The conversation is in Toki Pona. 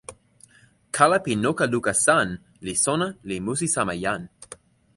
kala pi noka luka san li sona li musi sama jan.